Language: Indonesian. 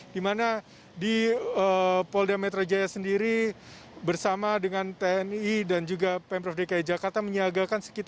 di mana di polda metro jaya sendiri bersama dengan tni dan juga pemprov dki jakarta menyiagakan